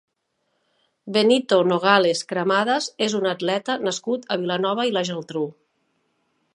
Benito Nogales Cremades és un atleta nascut a Vilanova i la Geltrú.